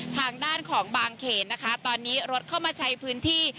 ทางด้านของบางเขนนะคะตอนนี้รถเข้ามาใช้พื้นที่